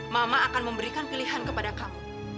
mama akan memberikan pilihan kepada kamu